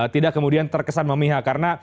tidak kemudian terkesan memihak karena